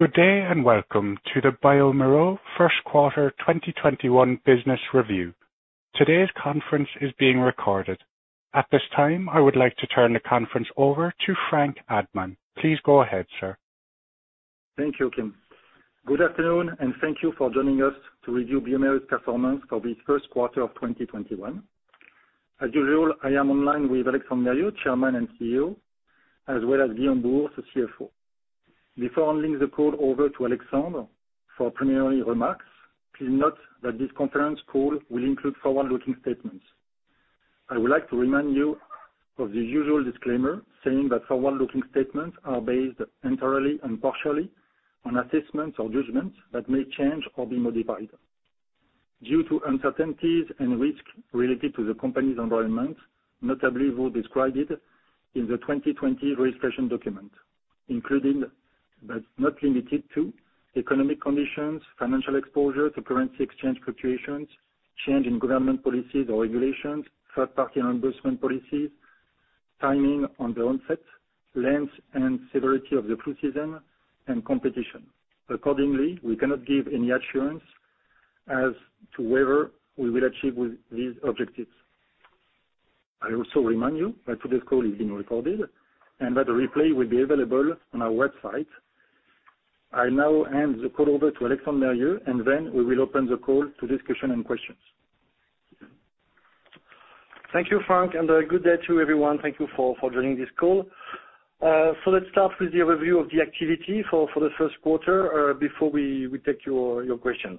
Good day. Welcome to the bioMérieux First-Quarter 2021 Business Review. Today's conference is being recorded. At this time, I would like to turn the conference over to Franck Admant. Please go ahead, sir. Thank you, Kim. Good afternoon, and thank you for joining us to review bioMérieux performance for this first quarter of 2021. As usual, I am online with Alexandre Mérieux, Chairman and CEO, as well as Guillaume Bouhours, the CFO. Before I link the call over to Alexandre for preliminary remarks, please note that this conference call will include forward-looking statements. I would like to remind you of the usual disclaimer saying that forward-looking statements are based entirely and partially on assessments or judgments that may change or be modified due to uncertainties and risk related to the company's environment, notably those described in the 2020 registration document, including but not limited to economic conditions, financial exposure to currency exchange fluctuations, change in government policies or regulations, third-party reimbursement policies, timing on the onset, length, and severity of the flu season, and competition. Accordingly, we cannot give any assurance as to whether we will achieve these objectives. I also remind you that today's call is being recorded and that the replay will be available on our website. I now hand the call over to Alexandre Mérieux, and then we will open the call to discussion and questions. Thank you, Franck, and good day to everyone. Thank you for joining this call. Let's start with the review of the activity for the first quarter before we take your questions.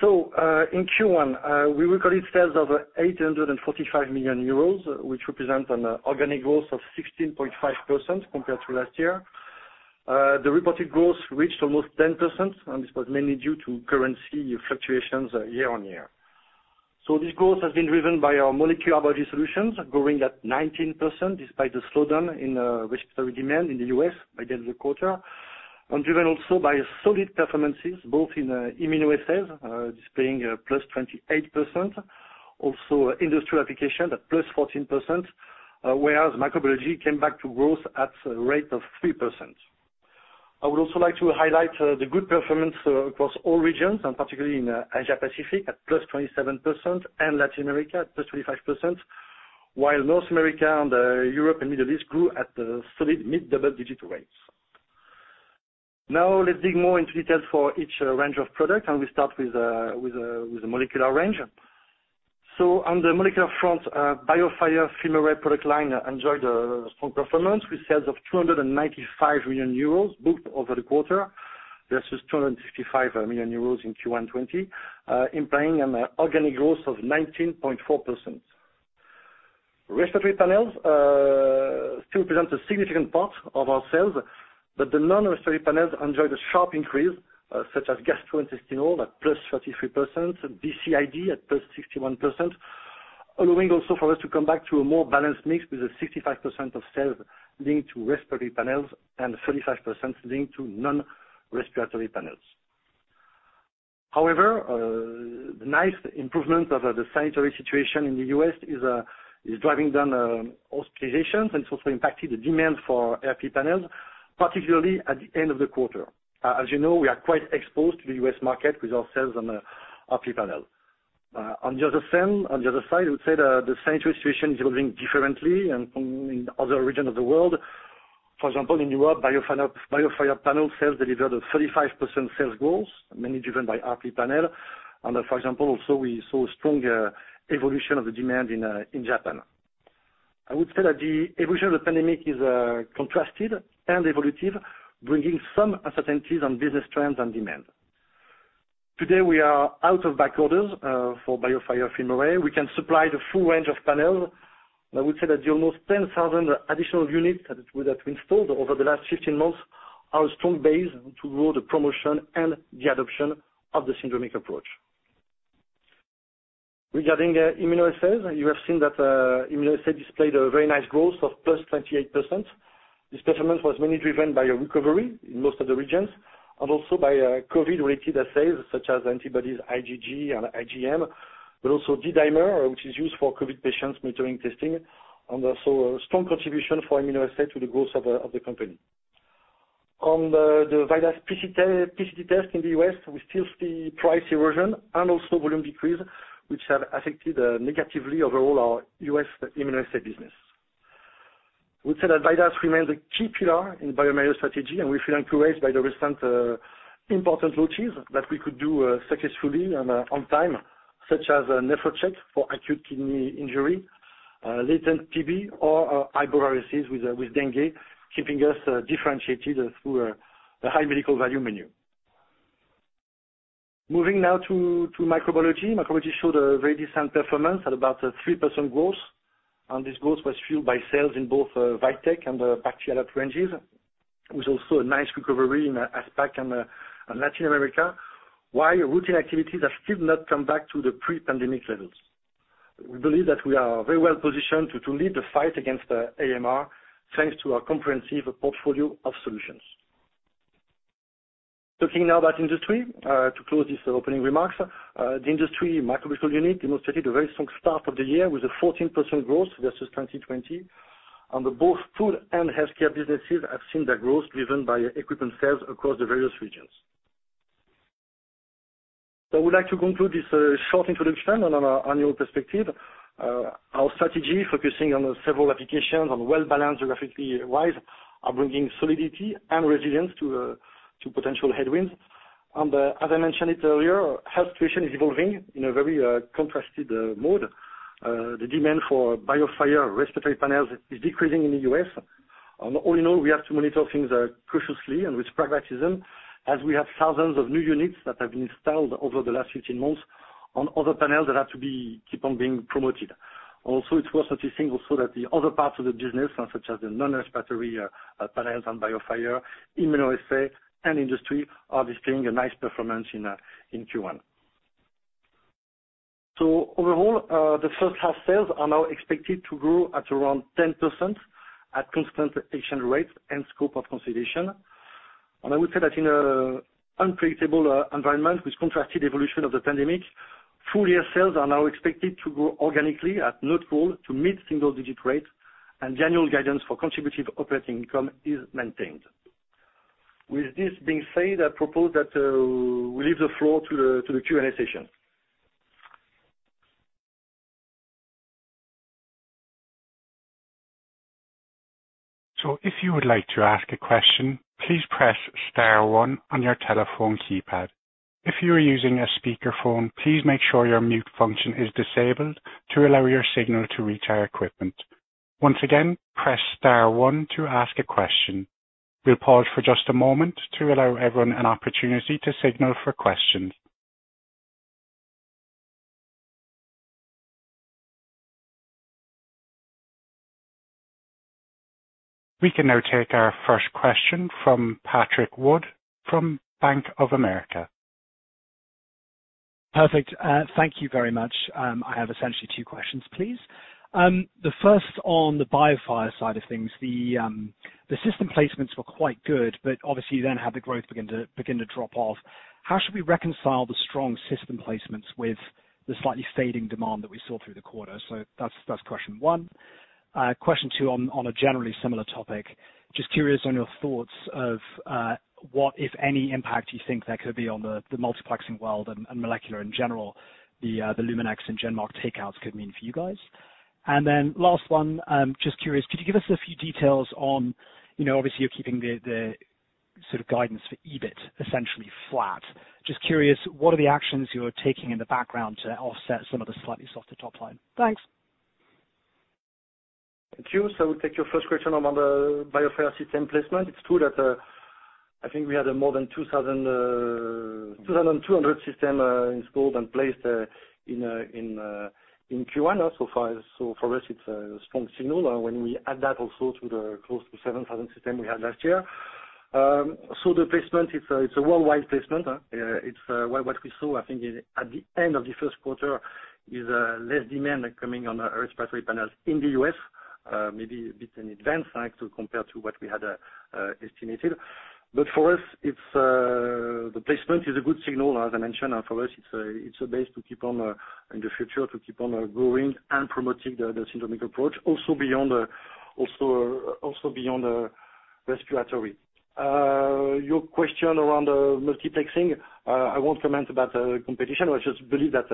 So in Q1, we recorded sales of 845 million euros, which represent an organic growth of 16.5% compared to last year. The reported growth reached almost 10%, and this was mainly due to currency fluctuations year-over-year. This growth has been driven by our molecular BioFire solutions, growing at 19%, despite the slowdown in respiratory demand in the U.S. by the end of the quarter. Driven also by solid performances, both in immunoassays, displaying +28%. Also industrial application at +14%, whereas microbiology came back to growth at a rate of 3%. I would also like to highlight the good performance across all regions, and particularly in Asia Pacific at +27% and Latin America at +25%, while North America and Europe and Middle East grew at solid mid-double-digit rates. Let's dig more into details for each range of product, and we start with the molecular range. On the molecular front, BioFire FilmArray product line enjoyed a strong performance with sales of 295 million euros booked over the quarter versus 255 million euros in Q1 2020, implying an organic growth of 19.4%. Respiratory panels still present a significant part of our sales, but the non-respiratory panels enjoyed a sharp increase, such as gastrointestinal at +33%, BCID at +61%, allowing also for us to come back to a more balanced mix with a 65% of sales linked to respiratory panels and 35% linked to non-respiratory panels. However, the nice improvement of the sanitary situation in the U.S. is driving down hospitalizations and it's also impacted the demand for RP panels, particularly at the end of the quarter. As you know, we are quite exposed to the U.S. market with our sales on RP panel. On the other side, I would say that the sanitary situation is evolving differently in other regions of the world. For example, in Europe, BioFire panel sales delivered a 35% sales growth, mainly driven by RP panel. For example, also we saw strong evolution of the demand in Japan. I would say that the evolution of the pandemic is contrasted and evolutive, bringing some uncertainties on business trends and demand. Today, we are out of back orders for BioFire FilmArray. We can supply the full range of panels. I would say that the almost 10,000 additional units that were installed over the last 15 months are a strong base to grow the promotion and the adoption of the syndromic approach. Regarding immunoassay, you have seen that immunoassay displayed a very nice growth of plus 28%. This performance was mainly driven by a recovery in most of the regions and also by COVID-related assays such as antibodies IgG and IgM, but also D-Dimer, which is used for COVID patients monitoring testing, and also a strong contribution for immunoassay to the growth of the company. On the VIDAS PCT test in the U.S., we still see price erosion and also volume decrease, which have affected negatively overall our U.S. immunoassay business. I would say that VIDAS remains a key pillar in bioMérieux strategy, and we feel encouraged by the recent important launches that we could do successfully and on time, such as a NEPHROCHECK for acute kidney injury, latent TB, or with dengue, keeping us differentiated through a high medical value menu. Moving now to microbiology. Microbiology showed a very decent performance at about a 3% growth, and this growth was fueled by sales in both VITEK and BACT/ALERT ranges. It was also a nice recovery in APAC and Latin America, while routine activities have still not come back to the pre-pandemic levels. We believe that we are very well positioned to lead the fight against AMR, thanks to our comprehensive portfolio of solutions. Talking now about industry to close this opening remarks. The industry microbiological unit demonstrated a very strong start of the year with a 14% growth versus 2020. Both food and healthcare businesses have seen their growth driven by equipment sales across the various regions. I would like to conclude this short introduction on our annual perspective. Our strategy, focusing on several applications and well-balanced geographically wide, are bringing solidity and resilience to potential headwinds. As I mentioned it earlier, health situation is evolving in a very contrasted mode. The demand for BioFire respiratory panels is decreasing in the U.S. All in all, we have to monitor things cautiously and with pragmatism, as we have thousands of new units that have been installed over the last 15 months on other panels that have to keep on being promoted. Also, it's worth noting also that the other parts of the business, such as the non-respiratory panels and BioFire, immunoassay, and industry, are displaying a nice performance in Q1. Overall, the first half sales are now expected to grow at around 10% at constant exchange rates and scope of consolidation. I would say that in a unpredictable environment with contrasted evolution of the pandemic, full-year sales are now expected to grow organically at low to mid single digit rate, and general guidance for contributive operating income is maintained. With this being said, I propose that we leave the floor to the Q&A session. If you would like to ask a question, please press star one on your telephone keypad. If you are using a speakerphone, please make sure your mute function is disabled to allow your signal to reach our equipment. Once again, press star one to ask a question. We'll pause for just a moment to allow everyone an opportunity to signal for questions. We can now take our first question from Patrick Wood from Bank of America. Perfect. Thank you very much. I have essentially two questions, please. The first on the BioFire side of things. The system placements were quite good, but obviously you then had the growth begin to drop off. How should we reconcile the strong system placements with the slightly fading demand that we saw through the quarter? That's question one. Question two on a generally similar topic. Just curious on your thoughts of what, if any, impact you think there could be on the multiplexing world and molecular in general, the Luminex and GenMark Diagnostics takeouts could mean for you guys. Last one, just curious, could you give us a few details on, obviously you're keeping the sort of guidance for EBIT essentially flat. Just curious, what are the actions you're taking in the background to offset some of the slightly softer top line? Thanks. Thank you. We'll take your first question on the BioFire system placement. It's true that I think we had more than 2,200 system installed and placed in Q1 so far. For us, it's a strong signal when we add that also to the close to 7,000 system we had last year. The placement, it's a worldwide placement. What we saw, I think at the end of the first quarter, is less demand coming on our respiratory panels in the U.S., maybe a bit in advance compared to what we had estimated. For us, the placement is a good signal. As I mentioned, for us, it's a base in the future to keep on growing and promoting the syndromic approach also beyond respiratory. Your question around multiplexing. I won't comment about competition. I just believe that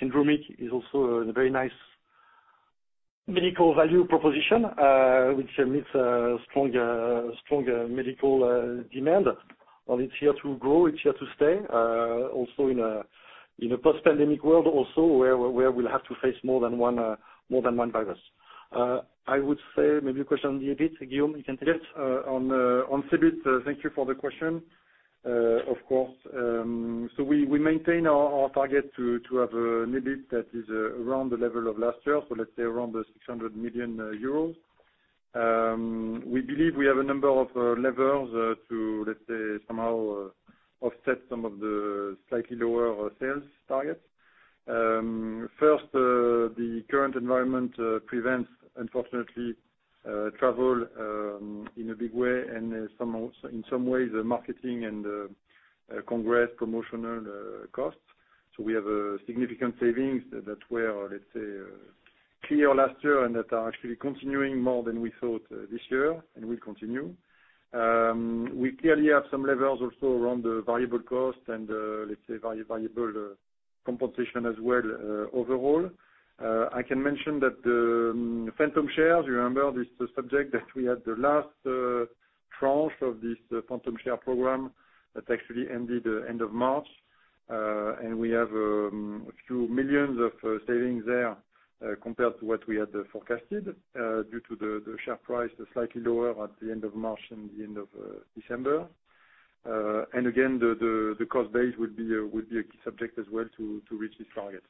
syndromic is also a very nice medical value proposition, which meets a stronger medical demand. It's here to grow, it's here to stay, also in a post-pandemic world also, where we'll have to face more than one virus. I would say maybe a question on the EBIT. Guillaume, you can take it. Yes. On EBIT, thank you for the question. Of course. We maintain our target to have an EBIT that is around the level of last year, let's say around 600 million euros. We believe we have a number of levers to, let's say, somehow offset some of the slightly lower sales targets. First, the current environment prevents, unfortunately, travel in a big way and in some ways, the marketing and the congress promotional costs. We have significant savings that were, let's say, clear last year and that are actually continuing more than we thought this year and will continue. We clearly have some levers also around the variable cost and, let's say, variable compensation as well overall. I can mention that the phantom shares, you remember this subject that we had the last tranche of this phantom share program that actually ended end of March. We have a few million of savings there compared to what we had forecasted due to the share price slightly lower at the end of March and the end of December. Again, the cost base would be a key subject as well to reach this target.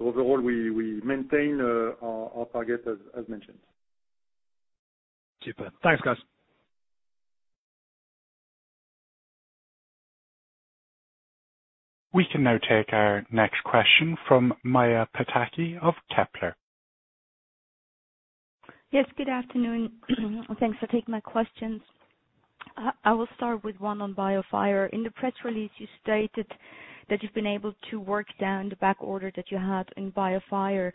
Overall, we maintain our target as mentioned. Super. Thanks, guys. We can now take our next question from Maja Pataki of Kepler. Good afternoon. Thanks for taking my questions. I will start with one on BioFire. In the press release, you stated that you've been able to work down the backorder that you had in BioFire.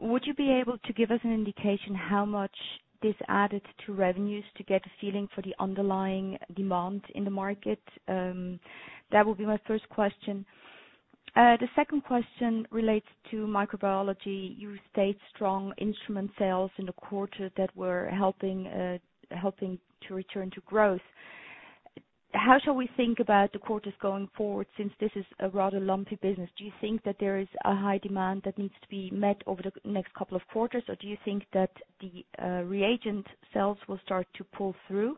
Would you be able to give us an indication how much this added to revenues to get a feeling for the underlying demand in the market? That would be my first question. The second question relates to microbiology. You state strong instrument sales in the quarter that were helping to return to growth. How shall we think about the quarters going forward since this is a rather lumpy business? Do you think that there is a high demand that needs to be met over the next couple of quarters, or do you think that the reagent sales will start to pull through?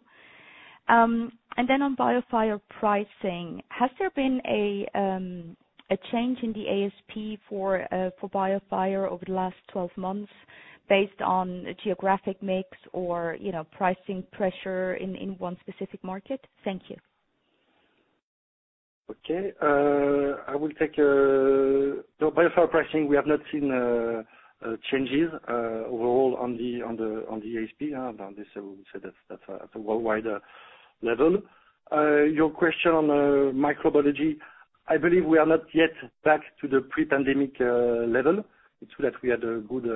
On BioFire pricing, has there been a change in the ASP for BioFire over the last 12 months based on geographic mix or pricing pressure in one specific market? Thank you. Okay. BioFire pricing, we have not seen changes overall on the ASP. On this, we say that's a worldwide level. Your question on microbiology, I believe we are not yet back to the pre-pandemic level. It's true that we had a good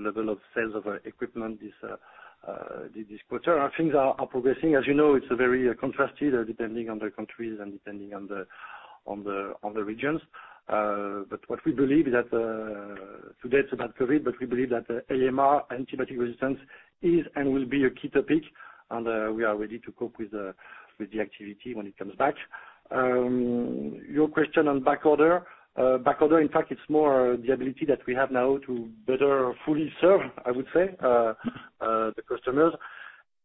level of sales of our equipment this quarter. Things are progressing. As you know, it's very contrasted, depending on the countries and depending on the regions. What we believe is that today it's about COVID, but we believe that AMR, antibiotic resistance, is and will be a key topic, and we are ready to cope with the activity when it comes back. Your question on backorder. Backorder, in fact, it's more the ability that we have now to better fully serve, I would say, the customers,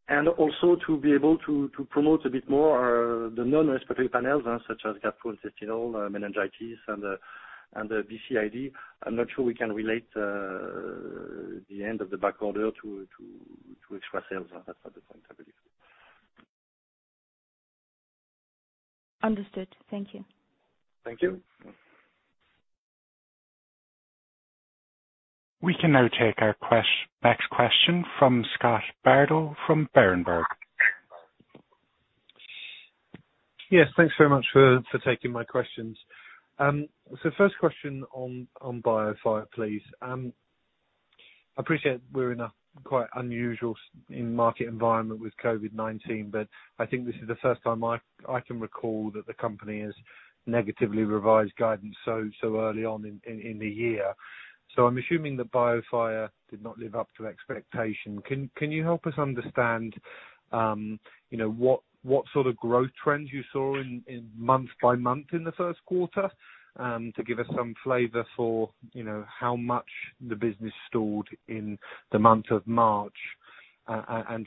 and also to be able to promote a bit more the non-respiratory panels, such as gastrointestinal, meningitis, and BCID. I'm not sure we can relate the end of the backorder to extra sales. That's not the point, I believe. Understood. Thank you. Thank you. We can now take our next question from Scott Bardo from Berenberg. Yes, thanks very much for taking my questions. First question on BioFire, please. I appreciate we're in a quite unusual market environment with COVID-19, but I think this is the first time I can recall that the company has negatively revised guidance so early on in the year. I'm assuming that BioFire did not live up to expectation. Can you help us understand what sort of growth trends you saw in month by month in the first quarter, to give us some flavor for how much the business stalled in the month of March?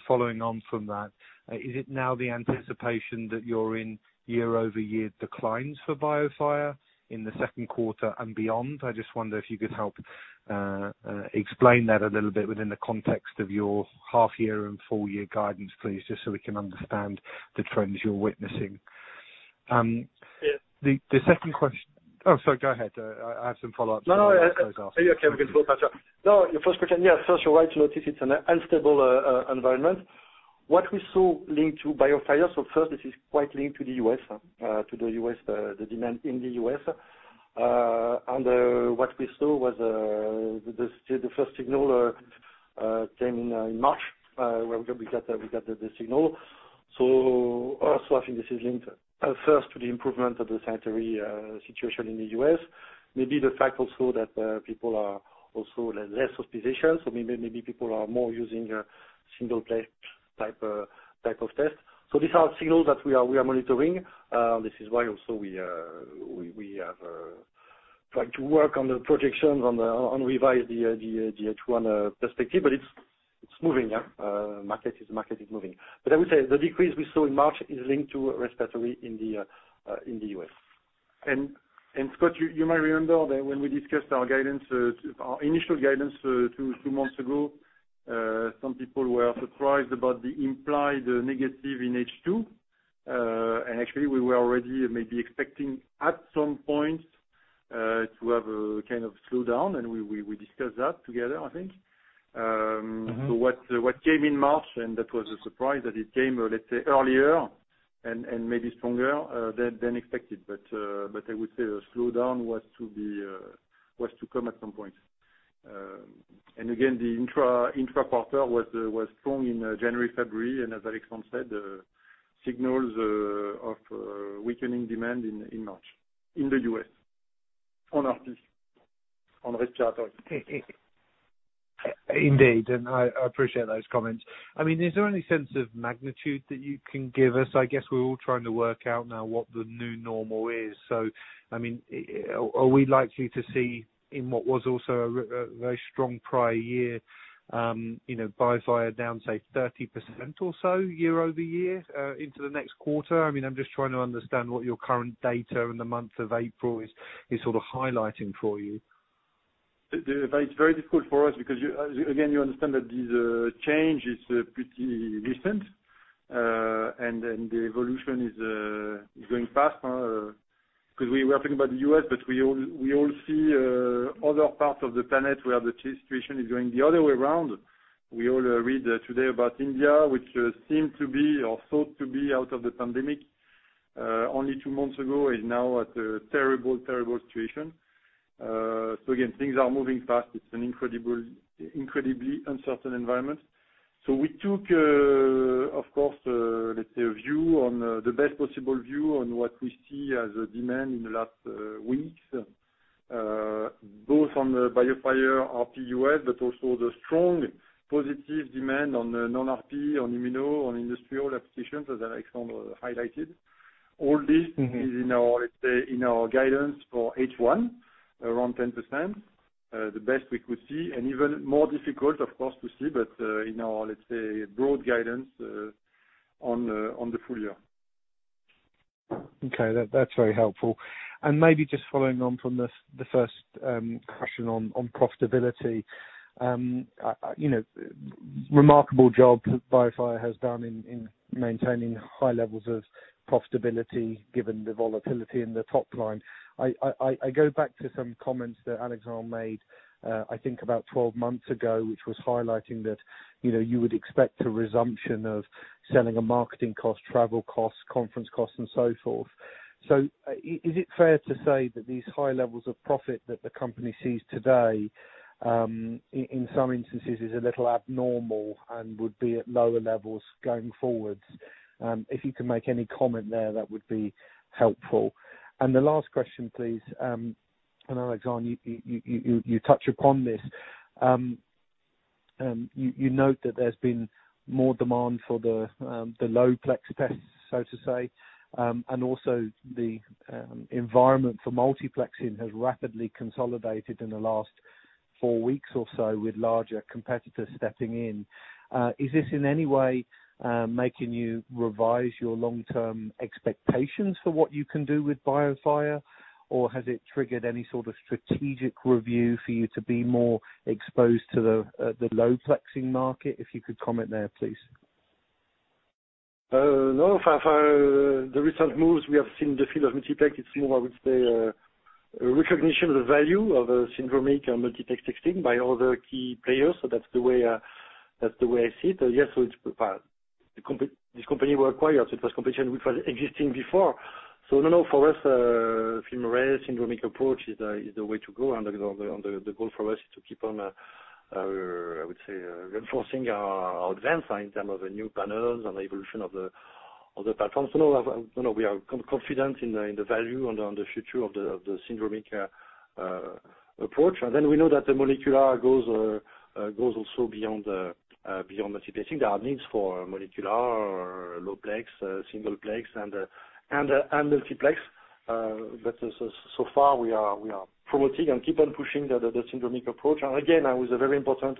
Following on from that, is it now the anticipation that you're in year-over-year declines for BioFire in the second quarter and beyond? I just wonder if you could help explain that a little bit within the context of your half-year and full-year guidance, please, just so we can understand the trends you're witnessing. Yeah. Oh, sorry. Go ahead. I have some follow-ups. No. After those answers. Okay, we can swap. Sure. No, your first question, yeah. You're right to notice it's an unstable environment. What we saw linked to BioFire, this is quite linked to the demand in the U.S. What we saw was the first signal came in March, where we got the signal. I think this is linked first to the improvement of the sanitary situation in the U.S. Maybe the fact also that people are also less hospitalized, people are more using single type of test. These are signals that we are monitoring. This is why also we have tried to work on the projections and revise the H1 perspective. It's moving. Market is moving. I would say the decrease we saw in March is linked to respiratory in the U.S. Scott, you might remember that when we discussed our initial guidance two months ago, some people were surprised about the implied negative in H2. Actually, we were already maybe expecting at some point to have a kind of slowdown, and we discussed that together, I think. What came in March, and that was a surprise that it came, let's say, earlier and maybe stronger than expected. I would say a slowdown was to come at some point. Again, the intra-quarter was strong in January, February, and as Alexandre said, signals of weakening demand in March in the U.S. On RP, on respiratory. Indeed, and I appreciate those comments. Is there any sense of magnitude that you can give us? I guess we're all trying to work out now what the new normal is. Are we likely to see, in what was also a very strong prior year, BioFire down, say, 30% or so year-over-year into the next quarter? I'm just trying to understand what your current data in the month of April is highlighting for you. It's very difficult for us because, again, you understand that this change is pretty recent, and the evolution is going fast because we are talking about the U.S., but we all see other parts of the planet where the situation is going the other way around. We all read today about India, which seemed to be or thought to be out of the pandemic only two months ago, is now at a terrible situation. Again, things are moving fast. It's an incredibly uncertain environment. We took, of course, let's say, the best possible view on what we see as a demand in the last weeks, both on the BioFire RP-U.S. but also the strong positive demand on non-RP, on immuno, on industrial applications, as Alexandre highlighted. All this is in our guidance for H1, around 10%, the best we could see, even more difficult, of course, to see, but in our, let's say, broad guidance on the full year. Okay. That's very helpful. Maybe just following on from the first question on profitability. Remarkable job BioFire has done in maintaining high levels of profitability given the volatility in the top line. I go back to some comments that Alexandre made, I think about 12 months ago, which was highlighting that you would expect a resumption of selling and marketing cost, travel costs, conference costs, and so forth. Is it fair to say that these high levels of profit that the company sees today, in some instances, is a little abnormal and would be at lower levels going forward? If you could make any comment there, that would be helpful. The last question, please, Alexandre, you touch upon this. You note that there's been more demand for the low plex tests, so to say, and also the environment for multiplexing has rapidly consolidated in the last four weeks or so with larger competitors stepping in. Is this in any way making you revise your long-term expectations for what you can do with BioFire? Or has it triggered any sort of strategic review for you to be more exposed to the low plexing market? If you could comment there, please. For the recent moves, we have seen the field of multiplexing, I would say, a recognition of the value of syndromic and multiplex testing by other key players. That's the way I see it. This company were acquired, so it was competition which was existing before. For us, FilmArray syndromic approach is the way to go, and the goal for us is to keep on, I would say, reinforcing our advance in terms of the new panels and the evolution of the platform. We are confident in the value and the future of the syndromic approach. We know that the molecular goes also beyond the Ct. I think there are needs for molecular or low plex, single plex and multiplex. So far, we are promoting and keep on pushing the syndromic approach. Again, that was a very important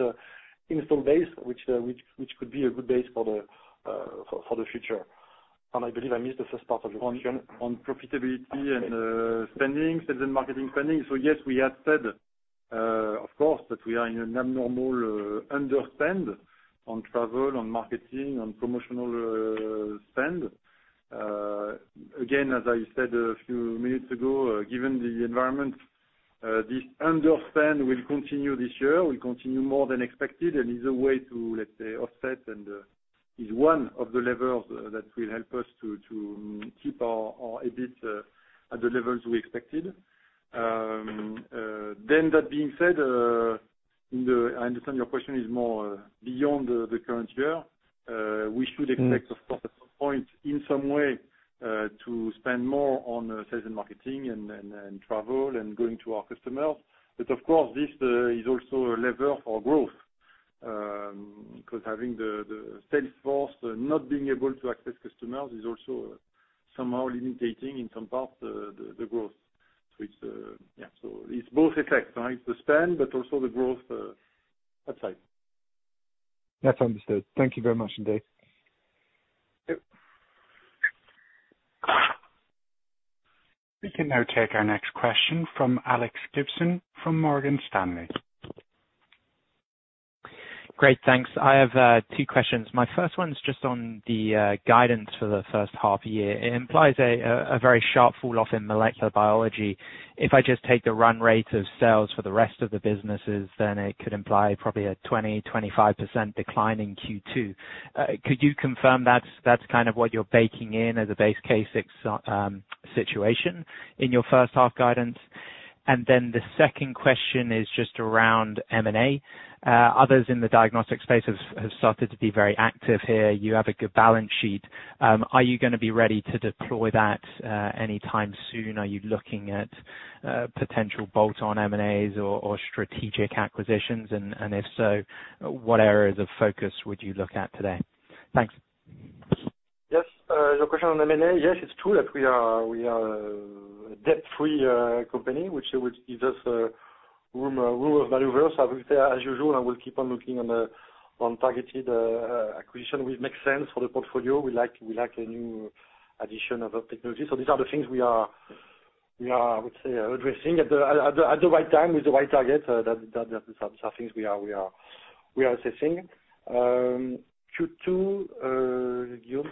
install base, which could be a good base for the future. I believe I missed the first part of your question. On profitability and spending, sales and marketing spending. Yes, we have said, of course, that we are in an abnormal underspend on travel, on marketing, on promotional spend. Again, as I said a few minutes ago, given the environment, this underspend will continue this year, will continue more than expected, and is a way to, let's say, offset and is one of the levers that will help us to keep our EBIT at the levels we expected. That being said, I understand your question is more beyond the current year. We should expect, of course, at some point, in some way, to spend more on sales and marketing and travel and going to our customers. Of course, this is also a lever for growth, because having the sales force not being able to access customers is also somehow limiting in some parts, the growth. It's both effects. It's the spend, but also the growth outside. That's understood. Thank you very much indeed. Yep. We can now take our next question from Alex Gibson from Morgan Stanley. Great, thanks. I have two questions. My first one is just on the guidance for the first half year. It implies a very sharp fall-off in molecular biology. If I just take the run rate of sales for the rest of the businesses, it could imply probably a 20%-25% decline in Q2. Could you confirm that's kind of what you're baking in as a base case situation in your first half guidance? The second question is just around M&A. Others in the diagnostics space have started to be very active here. You have a good balance sheet. Are you going to be ready to deploy that anytime soon? Are you looking at potential bolt-on M&As or strategic acquisitions? If so, what areas of focus would you look at today? Thanks. Yes. Your question on M&A. Yes, it's true that we are a debt-free company, which gives us room of maneuver. I would say, as usual, we will keep on looking on targeted acquisition, which makes sense for the portfolio. We lack a new addition of technology. These are the things we are We are, I would say, addressing at the right time with the right target. Those are things we are assessing. Q2, Guillaume,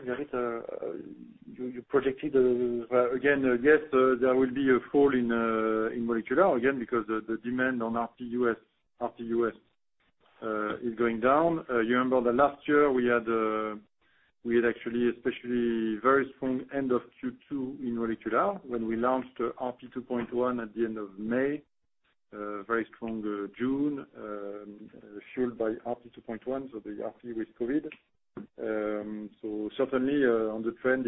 you projected, again. yes, there will be a fall in molecular again, because the demand on RP-U.S. is going down. You remember that last year we had actually especially very strong end of Q2 in molecular when we launched RP2.1 at the end of May, very strong June, fueled by RP2.1, so the RP with COVID. Certainly, on the trend,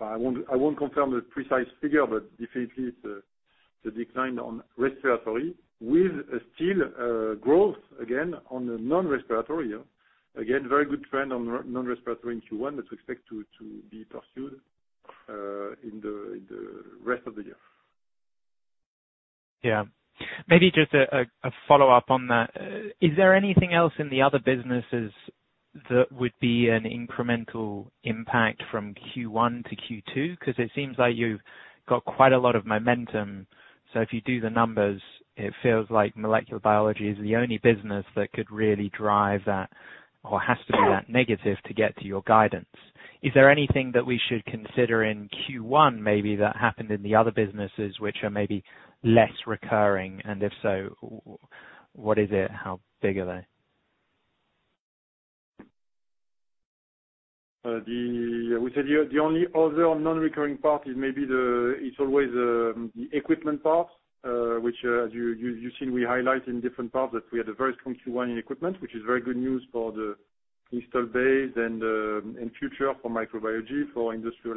I won't confirm the precise figure, but definitely it's the decline on respiratory with still growth again on the non-respiratory. Again, very good trend on non-respiratory in Q1 that we expect to be pursued in the rest of the year. Yeah. Maybe just a follow-up on that. Is there anything else in the other businesses that would be an incremental impact from Q1 to Q2? It seems like you've got quite a lot of momentum, so if you do the numbers, it feels like molecular biology is the only business that could really drive that or has to be that negative to get to your guidance. Is there anything that we should consider in Q1 maybe that happened in the other businesses which are maybe less recurring? If so, what is it? How big are they? We said the only other non-recurring part is always the equipment parts, which as you've seen, we highlight in different parts that we had a very strong Q1 in equipment, which is very good news for the install base and future for microbiology for industrial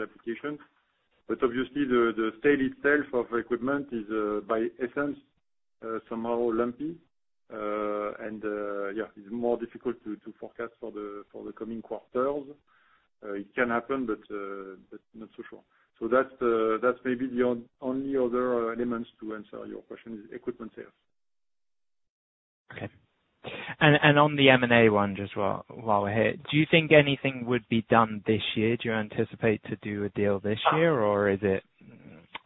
applications. Obviously the sale itself of equipment is by essence, somehow lumpy. Yeah, it's more difficult to forecast for the coming quarters. It can happen, but not so sure. That's maybe the only other elements to answer your question is equipment sales. Okay. On the M&A one, just while we're here, do you think anything would be done this year? Do you anticipate to do a deal this year, or is it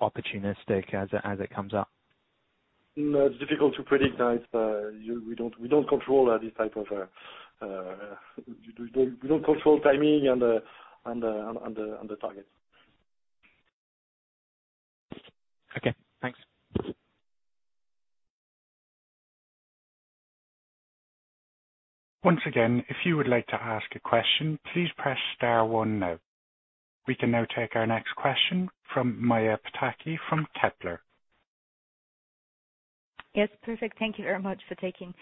opportunistic as it comes up? No, it's difficult to predict. We don't control timing on the targets. Okay, thanks. Once again, if you would like to ask a question, please press star one now. We can now take our next question from Maja Pataki from Kepler. Yes, perfect. Thank you very much for taking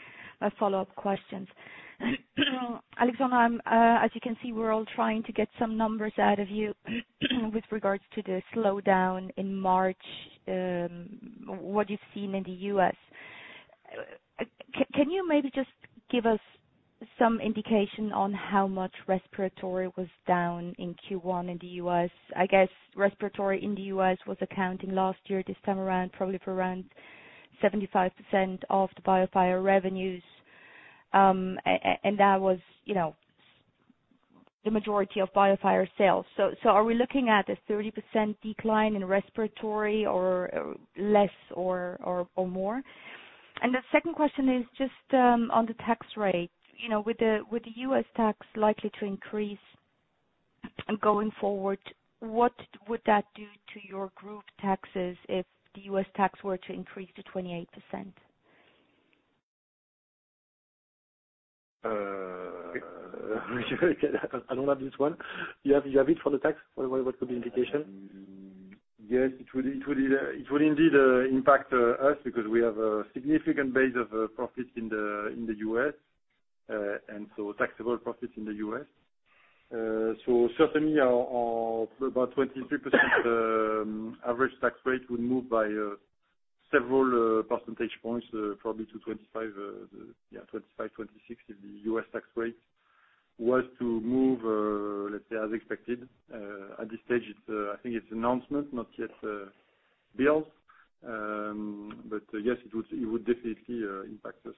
a follow-up questions. Alexandre, as you can see, we're all trying to get some numbers out of you with regards to the slowdown in March, what you've seen in the U.S. Can you maybe just give us some indication on how much respiratory was down in Q1 in the U.S.? I guess respiratory in the U.S. was accounting last year, this time around, probably for around 75% of the BioFire revenues. That was the majority of BioFire sales. Are we looking at a 30% decline in respiratory or less or more? The second question is just on the tax rate. With the U.S. tax likely to increase going forward, what would that do to your group taxes if the U.S. tax were to increase to 28%? I don't have this one. You have it for the tax? What could be the implication? It will indeed impact us because we have a significant base of profits in the U.S., and taxable profits in the U.S. Certainly our about 23% average tax rate will move by several percentage points, probably to 25, 26 if the U.S. tax rate was to move, let's say, as expected. At this stage, I think it's announcement, not yet bills. Yes, it would definitely impact us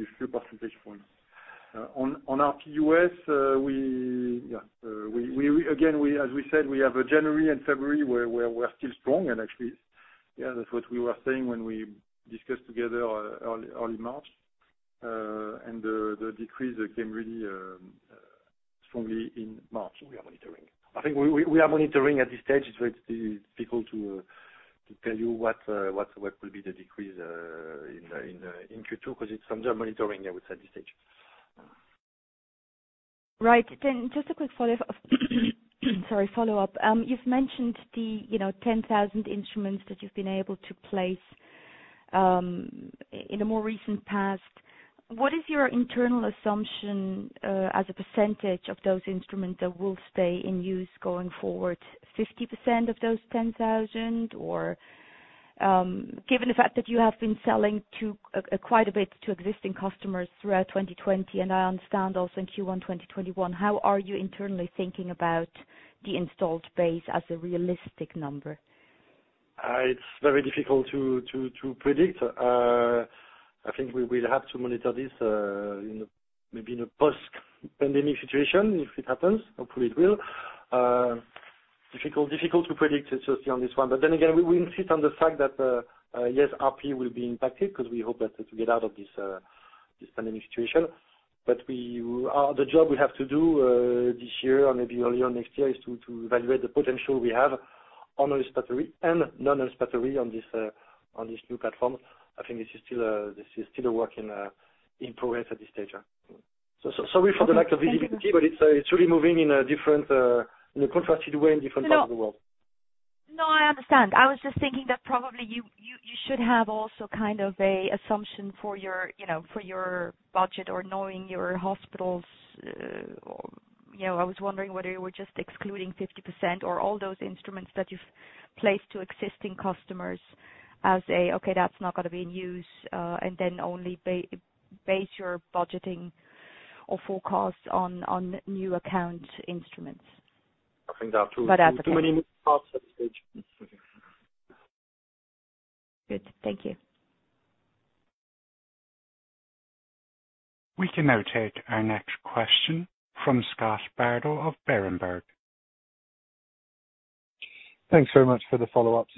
a few percentage points. On RP-U.S., again, as we said, we have a January and February where we're still strong. Actually, that's what we were saying when we discussed together early March. The decrease came really strongly in March. We are monitoring. I think we are monitoring at this stage. It's difficult to tell you what will be the decrease in Q2 because it's under monitoring, I would say, at this stage. Right. Just a quick follow-up. You've mentioned the 10,000 instruments that you've been able to place in the more recent past. What is your internal assumption as a percentage of those instruments that will stay in use going forward? 50% of those 10,000? Given the fact that you have been selling quite a bit to existing customers throughout 2020, and I understand also in Q1 2021, how are you internally thinking about the installed base as a realistic number? It's very difficult to predict. I think we will have to monitor this maybe in a post-pandemic situation if it happens. Hopefully, it will. Difficult to predict, especially on this one. Then again, we insist on the fact that, yes, RP will be impacted because we hope that we get out of this pandemic situation. The job we have to do this year or maybe early next year is to evaluate the potential we have on respiratory and non-respiratory on these new platforms. I think this is still a work in progress at this stage. Sorry for the lack of visibility. Thank you. It's really moving in a contrasted way in different parts of the world. No, I understand. I was just thinking that probably you should have also kind of a assumption for your budget or knowing your hospitals. I was wondering whether you were just excluding 50% or all those instruments that you've placed to existing customers as a, "Okay, that's not going to be in use," and then only base your budgeting or forecast on new account instruments. I think that too- That's okay. Too many moving parts at this stage. Good. Thank you. We can now take our next question from Scott Bardo of Berenberg. Thanks very much for the follow-ups,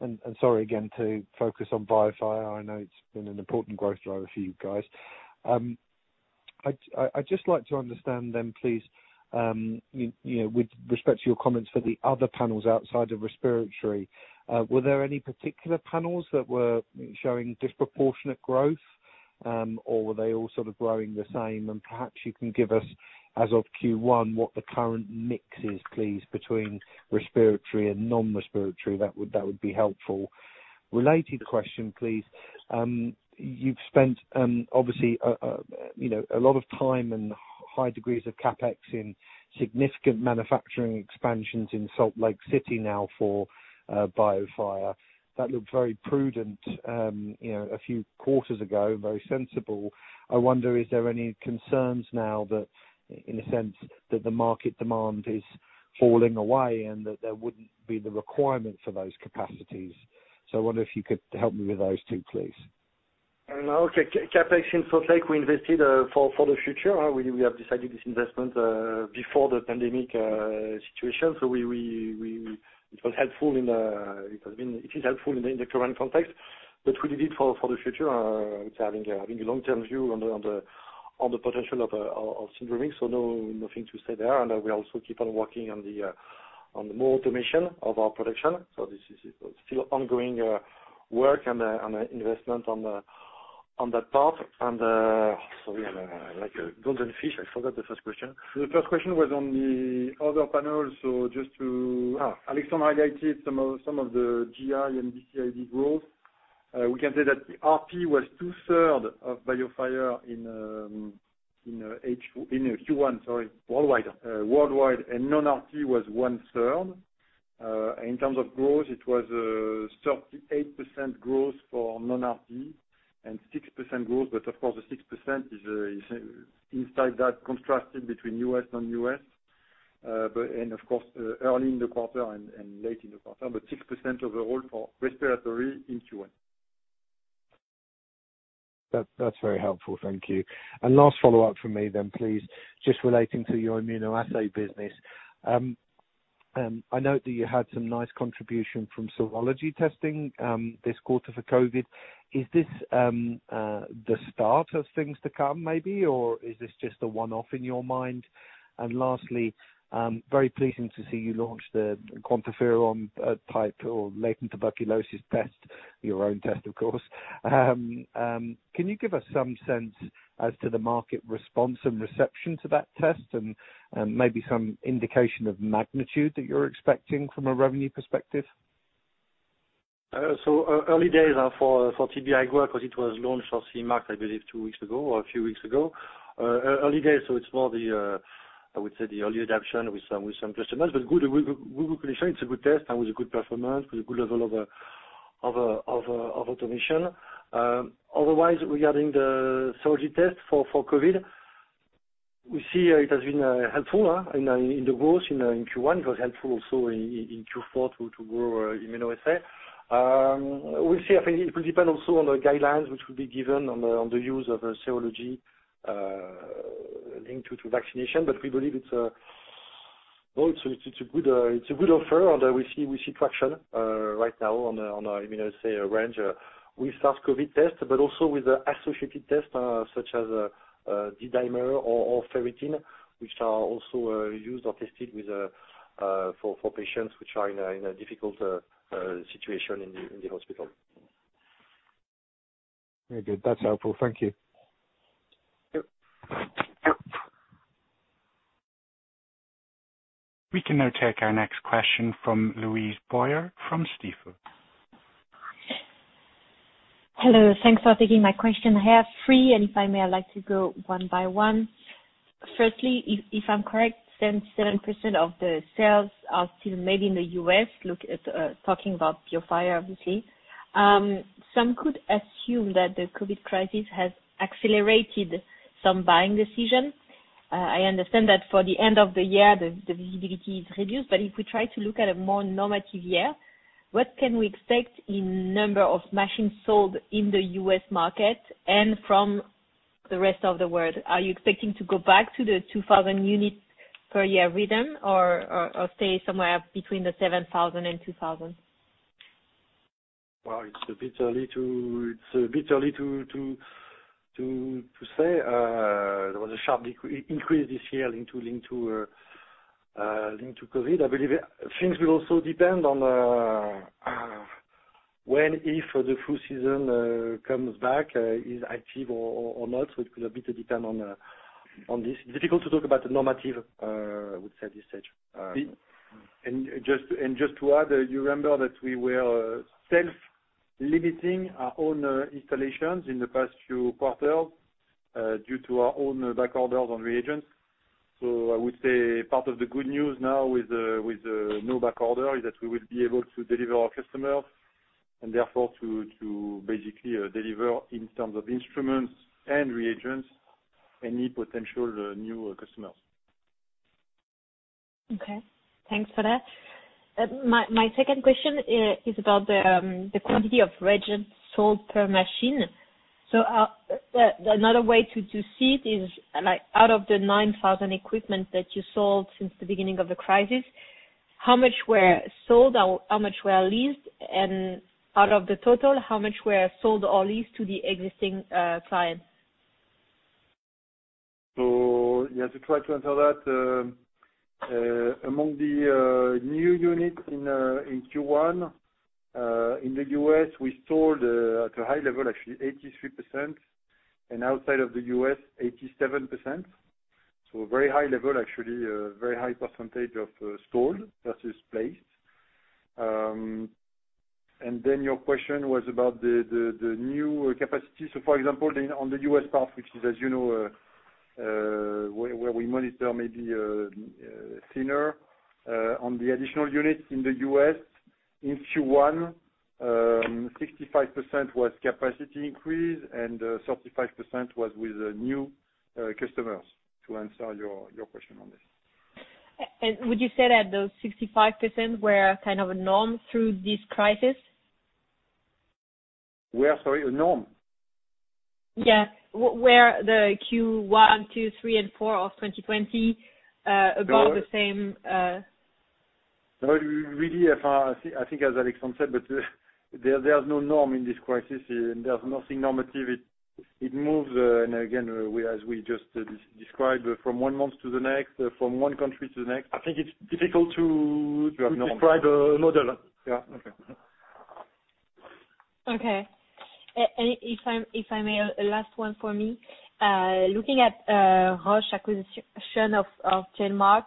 and sorry again to focus on BioFire. I know it's been an important growth driver for you guys. I'd just like to understand then, please, with respect to your comments for the other panels outside of respiratory, were there any particular panels that were showing disproportionate growth? Were they all sort of growing the same? Perhaps you can give us, as of Q1, what the current mix is, please, between respiratory and non-respiratory. That would be helpful. Related question, please. You've spent, obviously, a lot of time and high degrees of CapEx in significant manufacturing expansions in Salt Lake City now for BioFire. That looked very prudent a few quarters ago, very sensible. I wonder if there are any concerns now that, in a sense, that the market demand is falling away and that there wouldn't be the requirement for those capacities. I wonder if you could help me with those two, please. Okay. CapEx in Salt Lake, we invested for the future. We have decided this investment before the pandemic situation. It is helpful in the current context, but we did it for the future. It's having a long-term view on the potential of Syndromics. Nothing to say there. We also keep on working on the more automation of our production. This is still ongoing work and investment on that part. Sorry, I'm like a golden fish. I forgot the first question. The first question was on the other panels. Alexandre highlighted some of the GI and BCID growth. We can say that RP was 2/3 of BioFire in Q1, sorry. Worldwide. Worldwide, non-RP was one-third. In terms of growth, it was 38% growth for non-RP and 6% growth, of course, the 6% is inside that contrasted between U.S., non-U.S., and of course, early in the quarter and late in the quarter. 6% overall for respiratory in Q1. That's very helpful. Thank you. Last follow-up from me, please, just relating to your immunoassay business. I note that you had some nice contribution from serology testing this quarter for COVID. Is this the start of things to come maybe, or is this just a one-off in your mind? Lastly, very pleasing to see you launch the QuantiFERON type or latent tuberculosis test, your own test, of course. Can you give us some sense as to the market response and reception to that test and maybe some indication of magnitude that you're expecting from a revenue perspective? Early days for TB growth, because it was launched or CE-marked, I believe two weeks ago or a few weeks ago. Early days, it's more, I would say, the early adoption with some customers, but good. We could ensure it's a good test and with a good performance, with a good level of automation. Otherwise, regarding the serology test for COVID, we see it has been helpful in the growth in Q1. It was helpful also in Q4 to grow immunoassay. We'll see. I think it will depend also on the guidelines, which will be given on the use of serology linked to vaccination. We believe it's a good offer, and we see traction right now on our immunoassay range with SARS-CoV-2 test, but also with the associated tests such as D-dimer or Ferritin, which are also used or tested for patients which are in a difficult situation in the hospital. Very good. That's helpful. Thank you. Thank you. We can now take our next question from Louise Boyer from Stifel. Hello. Thanks for taking my question. I have three. If I may, I'd like to go one by one. Firstly, if I'm correct, 7% of the sales are still made in the U.S., talking about BioFire, obviously. Some could assume that the COVID crisis has accelerated some buying decision. I understand that for the end of the year, the visibility is reduced. If we try to look at a more normative year, what can we expect in number of machines sold in the U.S. market and from the rest of the world? Are you expecting to go back to the 2,000 unit per year rhythm or stay somewhere between the 7,000 and 2,000? Well, it's a bit early to say. There was a sharp increase this year linked to COVID. I believe things will also depend on when, if the flu season comes back, is active or not. It could a bit depend on this. It's difficult to talk about the normative, I would say at this stage. Just to add, you remember that we were self-limiting our own installations in the past few quarters due to our own backorders on reagents. I would say part of the good news now with no backorder is that we will be able to deliver our customers and therefore to basically deliver in terms of instruments and reagents, any potential new customers. Okay. Thanks for that. My second question is about the quantity of reagents sold per machine. Another way to see it is out of the 9,000 equipment that you sold since the beginning of the crisis, how much were sold, how much were leased, and out of the total, how much were sold or leased to the existing clients? Yeah, to try to answer that, among the new units in Q1, in the U.S., we sold at a high level, actually 83%, and outside of the U.S., 87%. A very high level, actually, a very high percentage of sold versus placed. Then your question was about the new capacity. For example, on the U.S. part, which is as you know where we monitor maybe thinner on the additional units in the U.S. in Q1, 65% was capacity increase and 35% was with new customers to answer your question on this. Would you say that those 65% were kind of a norm through this crisis? Were, sorry, a norm? Yeah. Were the Q1, two, three, and four of 2020 about the same? No, really, I think as Alexandre said, there's no norm in this crisis. There's nothing normative. It moves, again, as we just described, from one month to the next, from one country to the next. I think it's difficult to have norm describe a model. Yeah. Okay. Okay. If I may, last one for me. Looking at Roche acquisition of GenMark,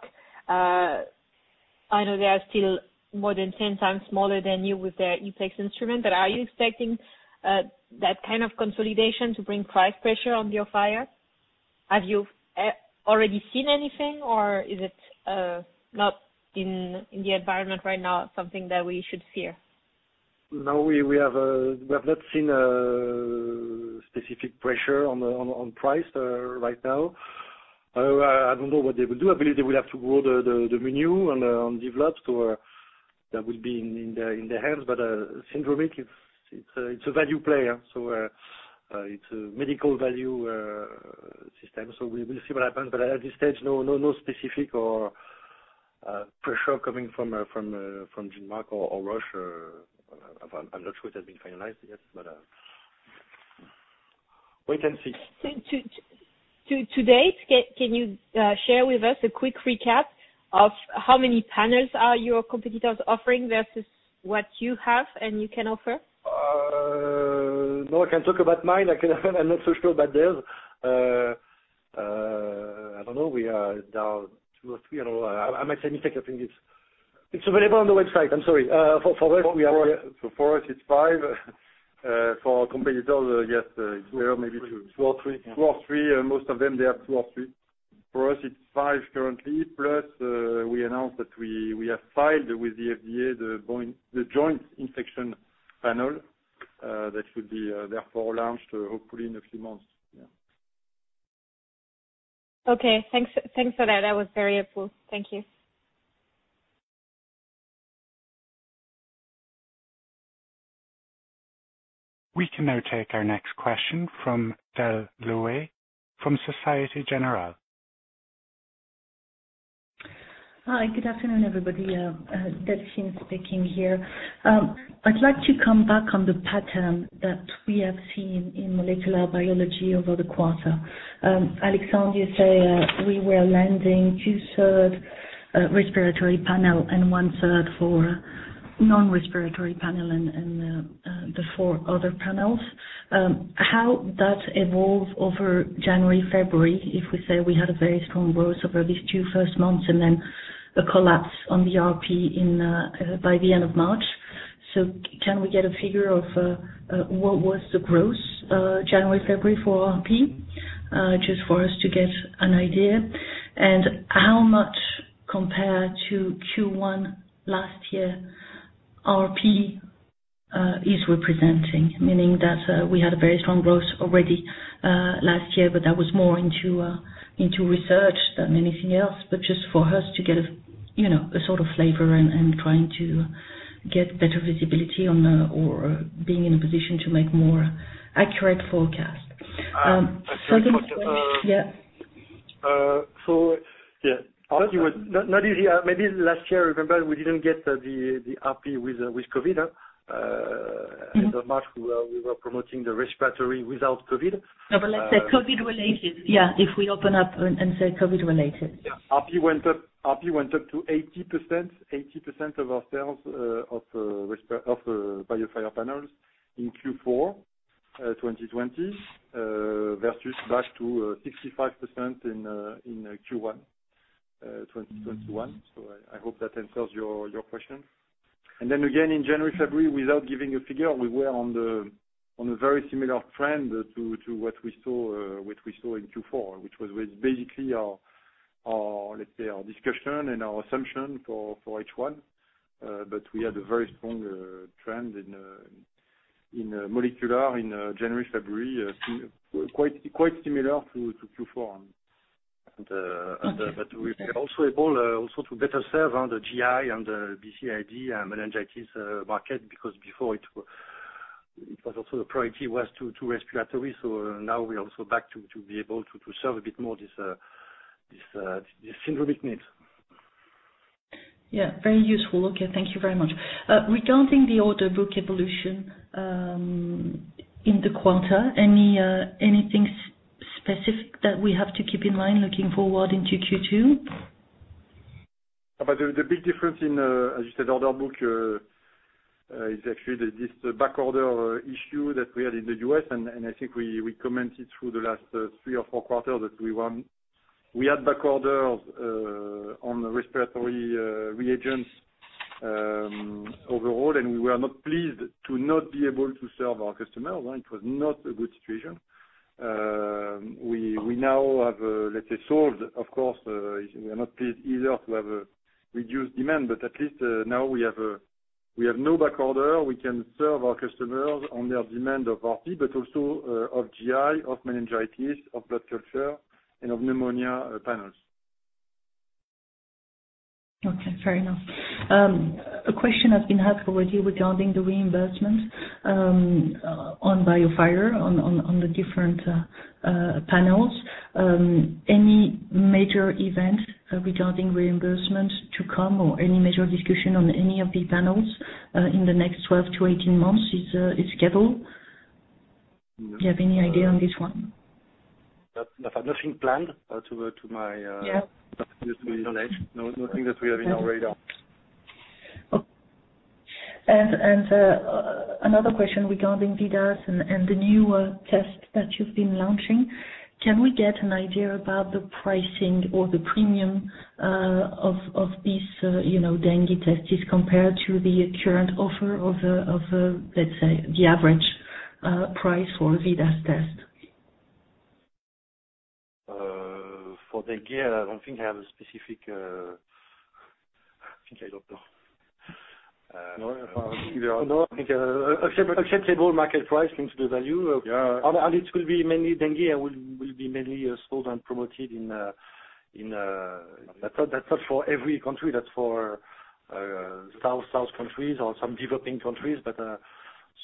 I know they are still more than 10x smaller than you with their ePlex instrument, are you expecting that kind of consolidation to bring price pressure on BioFire? Have you already seen anything or is it not in the environment right now something that we should fear? No, we have not seen a specific pressure on price right now. I don't know what they will do. I believe they will have to go the menu and on develops, so that will be in their hands. Syndromics, it's a value player, so it's a medical value system. We will see what happens. At this stage, no specific pressure coming from GenMark or Roche. I'm not sure it has been finalized yet, but wait and see. To date, can you share with us a quick recap of how many panels are your competitors offering versus what you have and you can offer? No, I can talk about mine. I'm not so sure about theirs. I don't know. There are two or three. I might say mistake a few things. It's available on the website. I'm sorry. For us, it's five. For our competitors, yes, it's maybe two. Two or three. Most of them, they have two or three. For us, it's five currently. Plus, we announced that we have filed with the FDA the Joint Infection Panel that should be therefore launched hopefully in a few months. Yeah. Okay, thanks for that. That was very helpful. Thank you. We can now take our next question from Del Louet from Société Générale. Hi, good afternoon, everybody. Del speaking here. I'd like to come back on the pattern that we have seen in molecular biology over the quarter. Alexandre, you say we were landing two-third respiratory panel and one-third for non-respiratory panel and the four other panels. How that evolve over January, February, if we say we had a very strong growth over these two first months and then a collapse on the RP by the end of March? Can we get a figure of what was the growth January, February for RP? Just for us to get an idea. How much compared to Q1 last year, RP is representing, meaning that we had a very strong growth already last year, but that was more into research than anything else? Just for us to get a sort of flavor and trying to get better visibility or being in a position to make more accurate forecast. Thank you much. Yeah. Maybe last year, remember, we didn't get the RP with COVID. End of March, we were promoting the respiratory without COVID. No. Let's say COVID related. Yeah, if we open up and say COVID related. RP went up to 80% of our sales of BioFire panels in Q4 2020 versus back to 65% in Q1 2021. I hope that answers your question. Then again, in January, February, without giving a figure, we were on a very similar trend to what we saw in Q4, which was with basically our, let's say, our discussion and our assumption for H1. We had a very strong trend in molecular in January, February, quite similar to Q4. Okay. We were also able to better serve on the GI and the BCID and meningitis market, because before it was also the priority was to respiratory. Now we're also back to be able to serve a bit more this syndromic needs. Yeah, very useful. Okay, thank you very much. Regarding the order book evolution in the quarter, anything specific that we have to keep in mind looking forward into Q2? The big difference in, as you said, order book is actually this backorder issue that we had in the U.S. I think we commented through the last three or four quarters that we had backorders on respiratory reagents overall, and we were not pleased to not be able to serve our customers. It was not a good situation. We now have, let's say, solved. Of course, we are not pleased either to have a reduced demand, but at least now we have no backorder. We can serve our customers on their demand of RP, but also of GI, of meningitis, of blood culture, and of pneumonia panels. Okay, fair enough. A question has been asked already regarding the reimbursement on BioFire, on the different panels. Any major event regarding reimbursement to come or any major discussion on any of the panels in the next 12-18 months is scheduled? Do you have any idea on this one? Nothing planned to my knowledge. Nothing that we have in our radar. Okay. Another question regarding VIDAS and the newer test that you've been launching, can we get an idea about the pricing or the premium of these dengue tests compared to the current offer of, let's say, the average price for VIDAS test? For dengue, I don't think I have a specific I think I don't know. No. No. I think acceptable market price links the value. Yeah. It will be mainly dengue and will be mainly sold and promoted. That's not for every country. That's for south countries or some developing countries.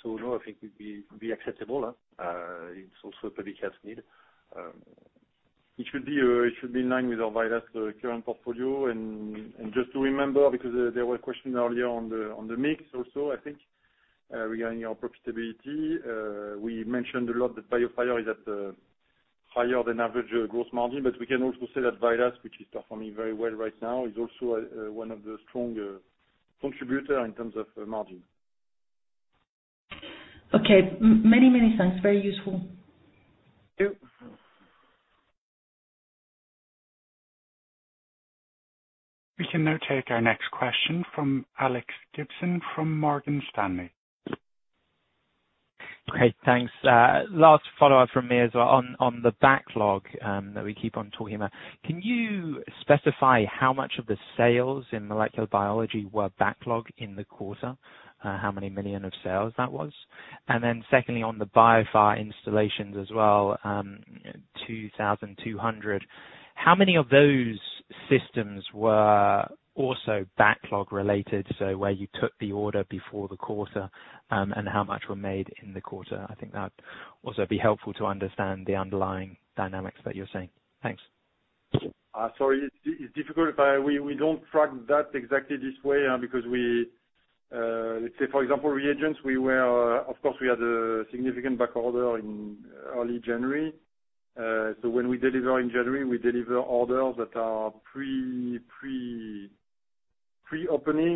No, I think it will be acceptable. It's also a public health need. It should be in line with our VIDAS current portfolio. Just to remember, because there were questions earlier on the mix also, I think, regarding our profitability. We mentioned a lot that BioFire is at higher than average gross margin. We can also say that VIDAS, which is performing very well right now, is also one of the strong contributor in terms of margin. Okay. Many thanks. Very useful. Thank you. We can now take our next question from Alex Gibson from Morgan Stanley. Great, thanks. Last follow-up from me is on the backlog that we keep on talking about. Can you specify how much of the sales in molecular biology were backlog in the quarter? How many million of sales that was? Secondly, on the BioFire installations as well, 2,200. How many of those systems were also backlog related, so where you took the order before the quarter, and how much were made in the quarter? I think that would also be helpful to understand the underlying dynamics that you're seeing. Thanks. Sorry, it's difficult. We don't track that exactly this way, because we, let's say, for example, reagents, of course, we had a significant backorder in early January. When we deliver in January, we deliver orders that are pre-opening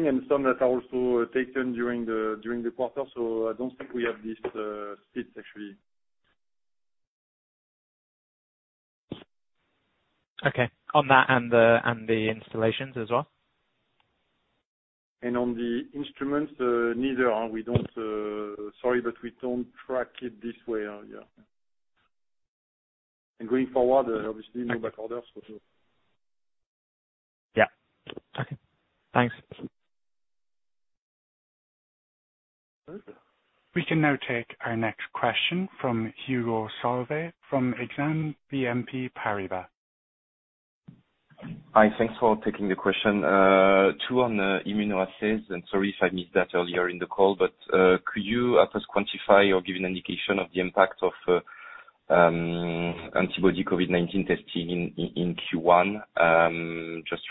and some that are also taken during the quarter. I don't think we have this split, actually. Okay. On that and the installations as well? On the instruments, neither. Sorry, but we don't track it this way. Going forward, obviously no backorders for Q2. Yeah. Okay. Thanks. We can now take our next question from Hugo Solvet from Exane BNP Paribas. Hi. Thanks for taking the question. Two on the immunoassays. Sorry if I missed that earlier in the call, could you at first quantify or give an indication of the impact of antibody COVID-19 testing in Q1? Just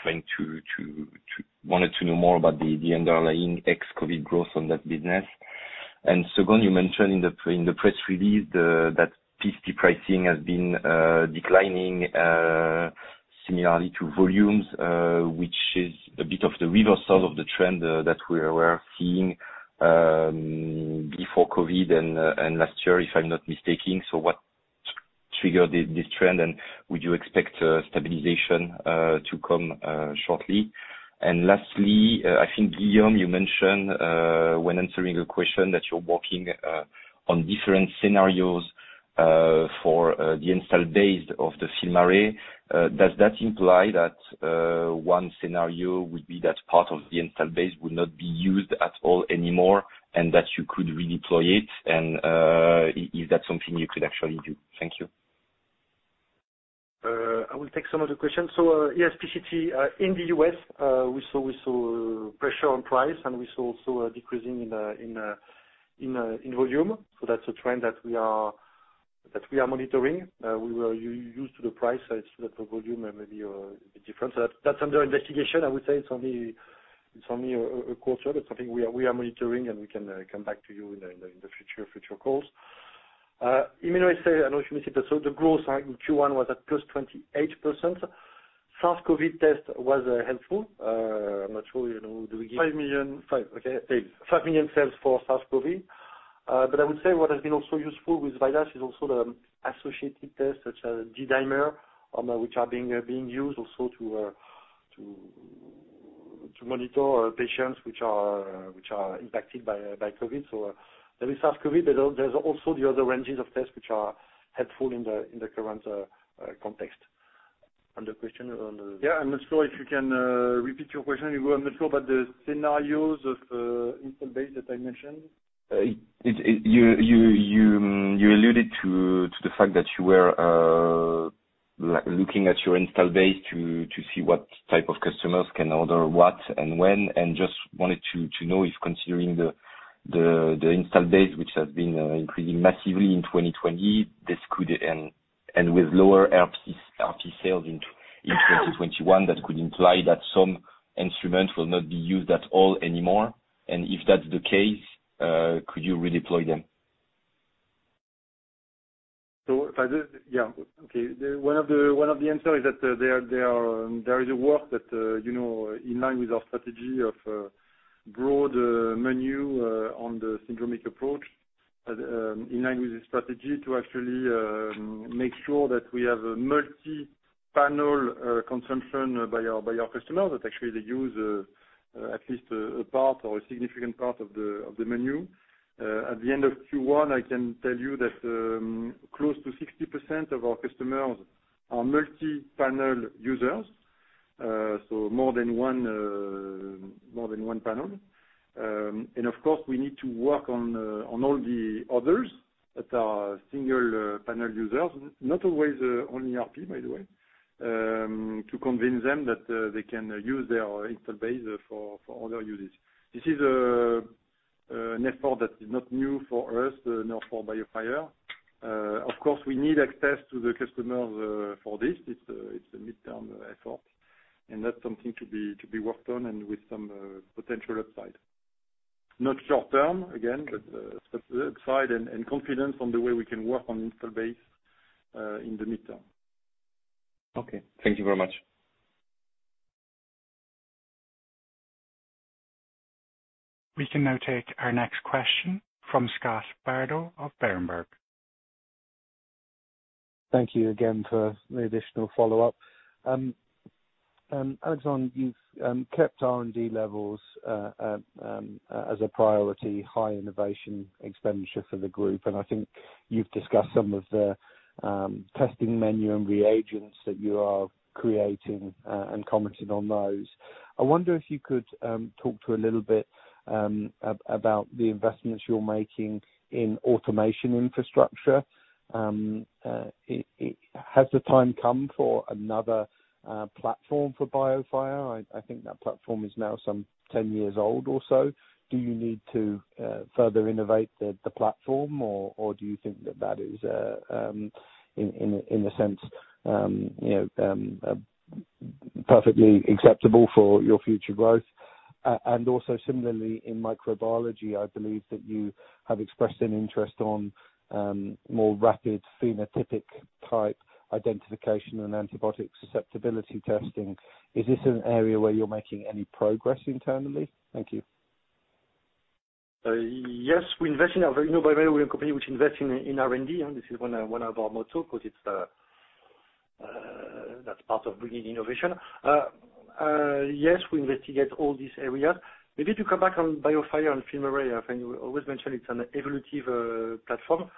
wanted to know more about the underlying ex-COVID growth on that business. Second, you mentioned in the press release that PCT pricing has been declining similarly to volumes, which is a bit of the reversal of the trend that we were seeing before COVID and last year, if I'm not mistaken. What triggered this trend? Would you expect stabilization to come shortly? Lastly, I think, Guillaume, you mentioned, when answering a question, that you're working on different scenarios for the install base of the FilmArray. Does that imply that one scenario would be that part of the install base would not be used at all anymore and that you could redeploy it? Is that something you could actually do? Thank you. I will take some of the questions. Yes, PCT in the U.S., we saw pressure on price, and we saw also a decreasing in volume. That's a trend that we are monitoring. We were used to the price. It's the volume and maybe a bit different. That's under investigation. I would say it's only a quarter, but something we are monitoring, and we can come back to you in the future calls. Immunoassay, I don't know if you missed it, the growth in Q1 was at plus 28%. SARS-CoV-2 test was helpful. I'm not sure, do we give- 5 million. Five. Okay. 5 million sales for SARS-CoV-2. I would say what has been also useful with VIDAS is also the associated tests such as D-dimer, which are being used also to monitor patients which are impacted by COVID. There is SARS-CoV-2, but there's also the other ranges of tests which are helpful in the current context. And the question on the- Yeah. I'm not sure if you can repeat your question, Hugo. I'm not sure about the scenarios of install base that I mentioned. You alluded to the fact that you were looking at your install base to see what type of customers can order what and when, just wanted to know if considering the install base, which has been increasing massively in 2020, with lower RP sales in 2021, that could imply that some instruments will not be used at all anymore. If that's the case, could you redeploy them? If I did, yeah. Okay. One of the answer is that there is a work that, in line with our strategy of a broad menu on the syndromic approach, in line with the strategy to actually make sure that we have a multi-panel consumption by our customers. That actually they use at least a part or a significant part of the menu. At the end of Q1, I can tell you that close to 60% of our customers are multi-panel users, so more than one panel. Of course, we need to work on all the others that are single panel users, not always only RP, by the way, to convince them that they can use their install base for other uses. This is an effort that is not new for us, nor for BioFire. Of course, we need access to the customers for this. It's a midterm effort. That's something to be worked on and with some potential upside. Not short term, again, but upside and confidence on the way we can work on install base in the midterm. Okay. Thank you very much. We can now take our next question from Scott Bardo of Berenberg. Thank you again for the additional follow-up. Alexandre, you've kept R&D levels as a priority, high innovation expenditure for the group. I think you've discussed some of the testing menu and reagents that you are creating and commented on those. I wonder if you could talk to a little bit about the investments you're making in automation infrastructure. Has the time come for another platform for BioFire? I think that platform is now some 10 years old or so. Do you need to further innovate the platform, or do you think that that is, in a sense, perfectly acceptable for your future growth? Also similarly in microbiology, I believe that you have expressed an interest on more rapid phenotypic-type identification and antibiotic susceptibility testing. Is this an area where you're making any progress internally? Thank you. Yes. We invest in our company, which invests in R&D. This is one of our motto, because it's That's part of bringing innovation. Yes, we investigate all these areas. Maybe to come back on bioMérieux and FilmArray, I think we always mention it's an evolutive platform.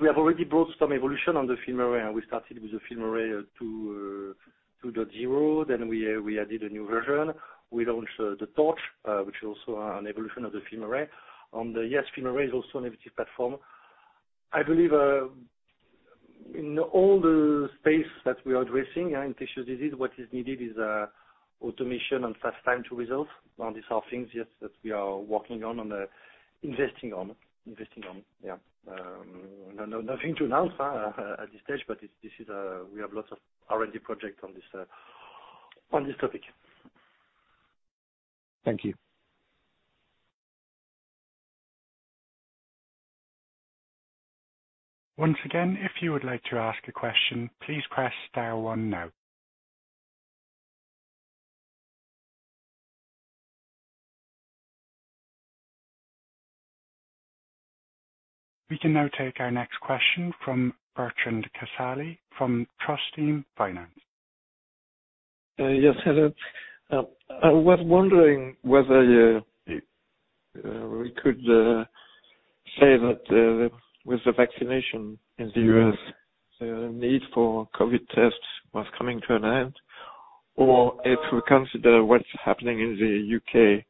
We have already brought some evolution on the FilmArray, and we started with the FilmArray 2.0, then we added a new version. We launched the Torch, which is also an evolution of the FilmArray. Yes, FilmArray is also an evolutive platform. I believe in all the space that we are addressing in infectious disease, what is needed is automation and fast time to results. These are things, yes, that we are working on and investing on. Nothing to announce at this stage, but we have lots of R&D projects on this topic. Thank you. Once again, if you would like to ask a question, please press star one now. We can now take our next question from Bertrand Casalis from Trusteam Finance. Yes, hello. I was wondering whether we could say that with the vaccination in the U.S., the need for COVID tests was coming to an end, or if we consider what's happening in the U.K.,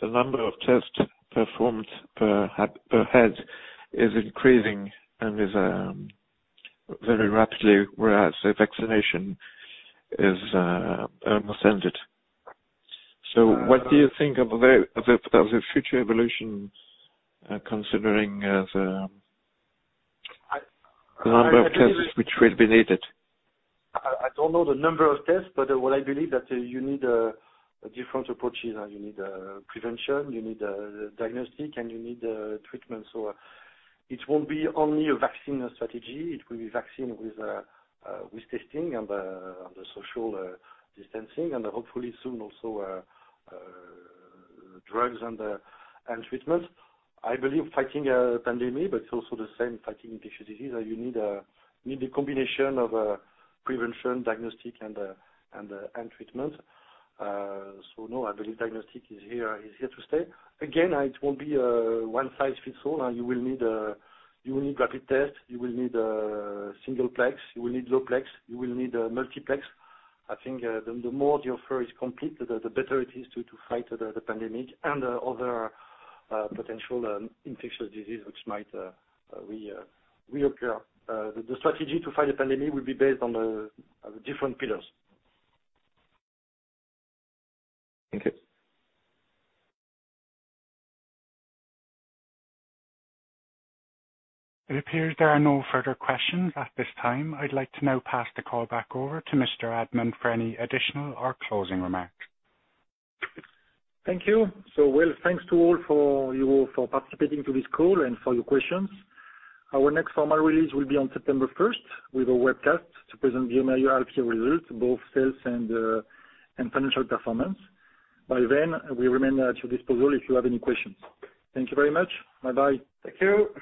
the number of tests performed per head is increasing and is very rapidly, whereas the vaccination is almost ended. What do you think of the future evolution, considering the number of tests which will be needed? I don't know the number of tests, but what I believe that you need different approaches. You need prevention, you need diagnostic, and you need treatment. It won't be only a vaccine strategy. It will be vaccine with testing and the social distancing, and hopefully soon also drugs and treatment. I believe fighting a pandemic, but also the same fighting infectious disease, you need a combination of prevention, diagnostic, and treatment. No, I believe diagnostic is here to stay. Again, it won't be a one-size-fits-all. You will need rapid test, you will need singleplex, you will need lowplex, you will need multiplex. I think the more the offer is complete, the better it is to fight the pandemic and other potential infectious disease which might reoccur. The strategy to fight the pandemic will be based on the different pillars. Thank you. It appears there are no further questions at this time. I'd like to now pass the call back over to Mr. Admant for any additional or closing remarks. Thank you. Thanks to all for participating to this call and for your questions. Our next formal release will be on September 1st with a webcast to present bioMérieux half year results, both sales and financial performance. By then, we remain at your disposal if you have- any questions. Thank you very much. Bye-bye. Thank you.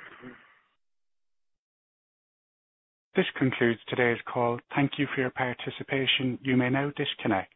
This concludes today's call. Thank you for your participation. You may now disconnect.